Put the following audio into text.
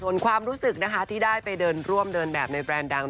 ส่วนความรู้สึกนะคะที่ได้ไปเดินร่วมเดินแบบในแบรนด์ดัง